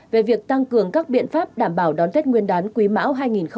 về việc tăng cường các biện pháp đảm bảo đón tết nguyên đán quý mão hai nghìn hai mươi